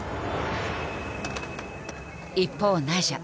一方ナイジャ。